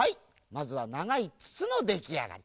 まずはながいつつのできあがり。